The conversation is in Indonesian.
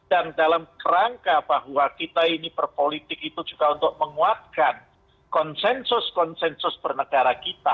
dan dalam rangka bahwa kita ini berpolitik itu juga untuk menguatkan konsensus konsensus pernegara kita